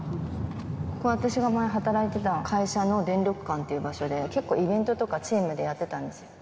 ここ、私が前、働いてた会社の電力館っていう場所で、結構、イベントとか、チームでやってたんです。